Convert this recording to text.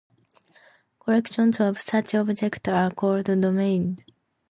Collections of such objects are called domains.